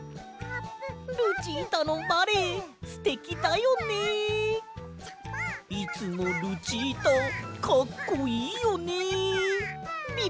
「ルチータのバレエすてきだよね！」「いつもルチータかっこいいよね！」。